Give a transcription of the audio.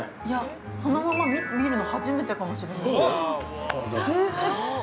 ◆そのまま見るの初めてかもしれない。